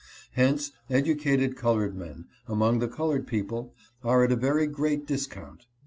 Hence educated colored men, among the colored people, are at a very great discount.